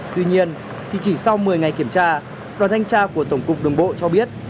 tuy nhiên thì chỉ sau một mươi ngày kiểm tra đoàn thanh tra của tổng cục đường bộ cho biết